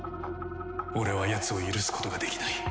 俺はヤツを許すことができない。